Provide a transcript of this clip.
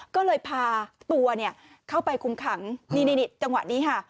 ก็เลยพาตัวเข้าไปคุมขังนี่จังหวะนี้ค่ะ